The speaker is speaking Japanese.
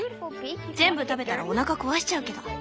全部食べたらおなか壊しちゃうけど。